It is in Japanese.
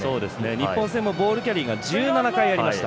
日本戦もボールキャリーが１７回ありました。